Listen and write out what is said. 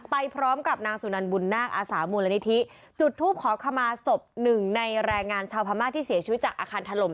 ไปพร้อมกับนางสุนันบุญนาคอาสามูลนิธิจุดทูปขอขมาศพหนึ่งในแรงงานชาวพม่าที่เสียชีวิตจากอาคารถล่ม